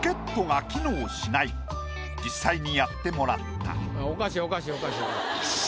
実際にやってもらった。